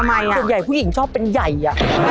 ส่วนใหญ่ผู้หญิงชอบเป็นใหญ่